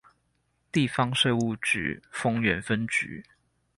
地方稅務局豐原分局